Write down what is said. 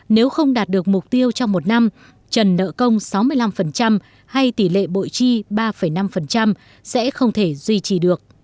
nếu không đạt được mục tiêu trong một năm trần nợ công sáu mươi năm hay tỷ lệ bội chi ba năm sẽ không thể duy trì được